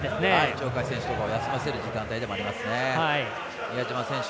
鳥海選手たちを休ませる時間でもありますね。